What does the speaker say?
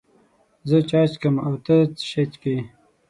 زه چای چکم، او ته څه شی چیکې؟